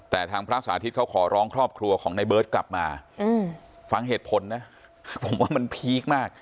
แต่ทางพระสาธิตเขาขอร้องครอบครัวของในเบิร์ตกลับมาฟังเหตุผลนะผมว่ามันพีคมาก